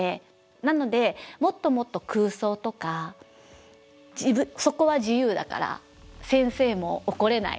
なのでもっともっと空想とかそこは自由だから先生も怒れない。